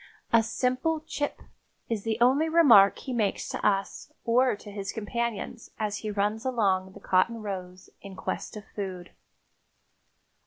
A simple "chip" is the only remark he makes to us or to his companions as he runs along the cotton rows in quest of food.